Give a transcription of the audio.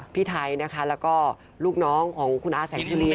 พี่ไทยนะคะแล้วก็ลูกน้องของคุณอาแสงสุรี